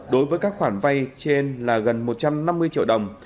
đối với các khoản vay trên là gần một trăm năm mươi triệu đồng